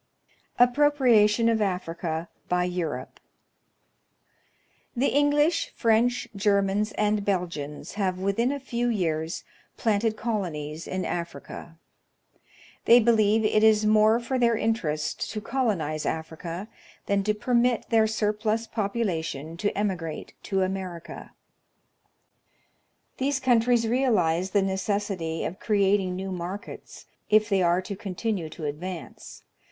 Appropriation of Africa by Europe. The English, French, Germans, and Belgians have within a few years planted colonies in Africa. They believe it is more for their interest to colonize Africa than to permit their 106 National Geographic Magazine. surplus population to emigrate to America. These countries realize the necessity of creating new markets, if they are to continue to advance.